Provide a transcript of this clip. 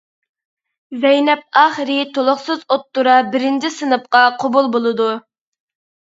زەينەپ ئاخىرى تولۇقسىز ئوتتۇرا بىرىنچى سىنىپقا قوبۇل بولىدۇ.